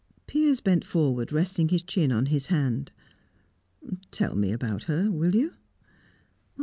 Piers bent forward, resting his chin on his hand. "Tell me about her will you?"